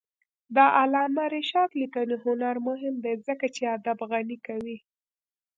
د علامه رشاد لیکنی هنر مهم دی ځکه چې ادب غني کوي.